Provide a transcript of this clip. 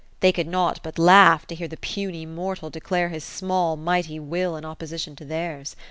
They could not but laugh to hear the puny mortal declare his small mighty will in opposition to theirs.